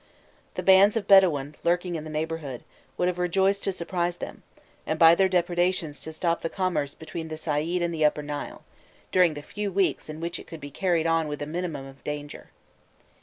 The bands of Bedouin, lurking in the neighbourhood, would have rejoiced to surprise them, and by their depredations to stop the commerce between the Said and the Upper Nile, during the few weeks in which it could be carried on with a minimum of danger.